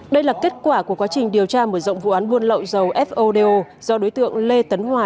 đây là kết quả của quá trình điều tra mở rộng vụ án buôn lậu dầu fodo do đối tượng lê tấn hòa